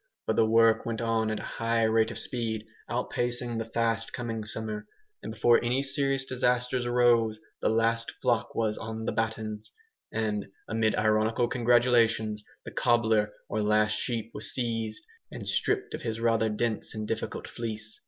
But the work went on at a high rate of speed, outpacing the fast coming summer; and before any serious disasters arose, the last flock was "on the battens," and, amid ironical congratulations, the "cobbler," or last sheep was seized, and stripped of his rather dense and difficult fleece.